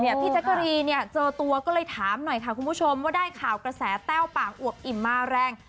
พี่แจ๊กกะรีนเนี่ยเจอตัวก็เลยถามหน่อยค่ะคุณผู้ชมว่าได้ข่าวกระแสแต้วปากอวบอิ่มมาแรง